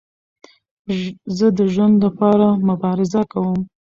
زه د ژوند له پاره مبارزه کوم.